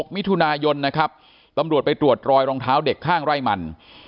มิถุนายนนะครับตำรวจไปตรวจรอยรองเท้าเด็กข้างไร่มัน